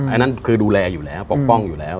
อันนั้นคือดูแลอยู่แล้วปกป้องอยู่แล้ว